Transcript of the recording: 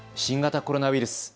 新型コロナウイルス。